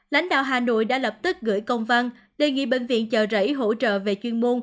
lãnh đạo hà nội đã lập tức gửi công văn đề nghị bệnh viện chợ rẫy hỗ trợ về chuyên môn